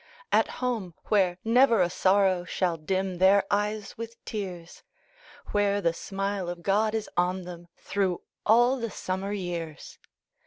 At home, where never a sorrow Shall dim their eyes with tears! Where the smile of God is on them Through all the summer years!